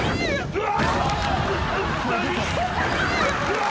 うわ！？